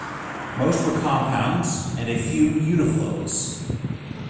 Most were compounds, and a few uniflows.